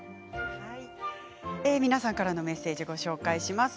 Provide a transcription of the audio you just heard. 皆さんからのメッセージをご紹介します。